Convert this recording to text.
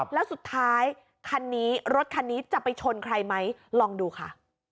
แล้วสุดท้ายคันนี้รถคันนี้จะไปชนใครไหมลองดูค่ะ